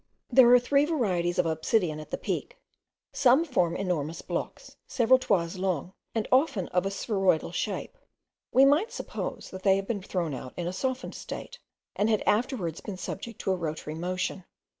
There are three varieties of obsidian at the Peak. Some form enormous blocks, several toises long, and often of a spheroidal shape. We might suppose that they had been thrown out in a softened state, and had afterwards been subject to a rotary motion.